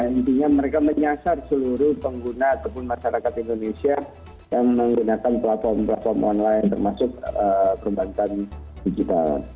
intinya mereka menyasar seluruh pengguna ataupun masyarakat indonesia yang menggunakan platform platform online termasuk perbankan digital